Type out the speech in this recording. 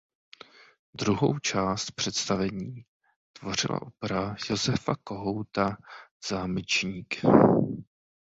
Druhou část představení tvořila opera Josefa Kohouta "Zámečník".